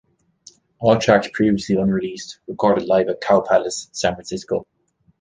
All tracks previously unreleased, recorded live at Cow Palace, San Francisco.